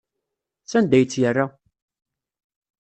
Sanda ay tt-yerra?